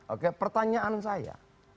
oke pertanyaan saya